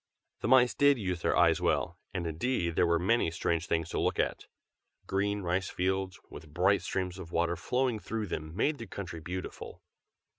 The mice did use their eyes well; and indeed there were many strange things to look at. Green rice fields, with bright streams of water flowing through them, made the country beautiful.